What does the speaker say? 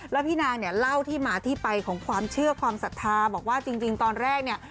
แล้วพี่นางเนี่ยเล่าที่มาที่ไปของความเชื่อความศรัทธาบอกว่าจริงตอนแรกเนี่ย